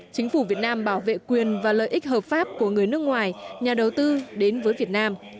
chính phủ việt nam bảo vệ quyền và lợi ích hợp pháp của người nước ngoài nhà đầu tư đến với việt nam